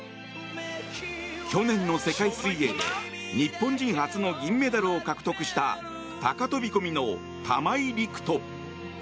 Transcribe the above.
去年の世界水泳で日本人初の銀メダルを獲得した高飛込の玉井陸斗。